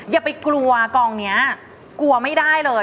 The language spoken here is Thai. อย่าไปกลัวกองนี้กลัวไม่ได้เลย